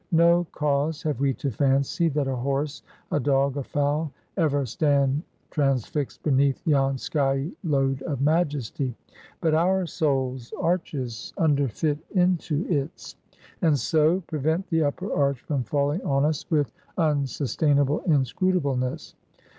No cause have we to fancy, that a horse, a dog, a fowl, ever stand transfixed beneath yon skyey load of majesty. But our soul's arches underfit into its; and so, prevent the upper arch from falling on us with unsustainable inscrutableness.